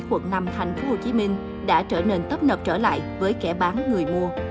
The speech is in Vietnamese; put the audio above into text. quận năm tp hcm đã trở nên tấp nập trở lại với kẻ bán người mua